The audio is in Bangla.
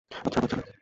আচ্ছা, বাচ্চারা।